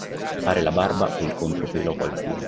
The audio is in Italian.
Fare la barba e il contropelo a qualcuno.